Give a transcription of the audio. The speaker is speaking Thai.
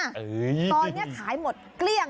ตอนนี้ขายหมดเกลี้ยง